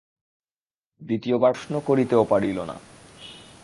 দ্বিতীয়বার প্রশ্ন করিতেও পারিল না।